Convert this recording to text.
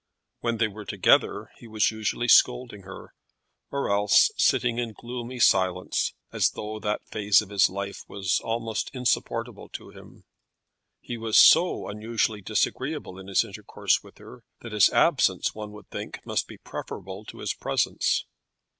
When they were together he was usually scolding her, or else sitting in gloomy silence, as though that phase of his life was almost insupportable to him. He was so unusually disagreeable in his intercourse with her, that his absence, one would think, must be preferable to his presence.